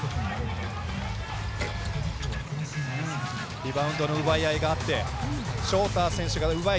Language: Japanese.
リバウンドの奪い合いがあってショーター選手が奪い